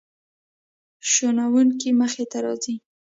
شنونکو مخې ته راځي.